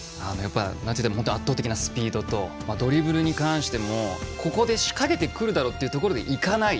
なんといっても圧倒的なスピードとドリブルに関してもここで仕掛けてくるだろうというところでいかない。